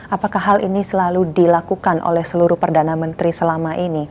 apakah hal ini selalu dilakukan oleh seluruh perdana menteri selama ini